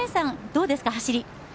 どうですか、走り。